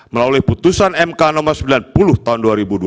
melalui putusan mk nomor sembilan puluh tahun dua ribu dua puluh